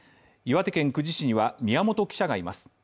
岩手県久慈市には宮本記者がいます。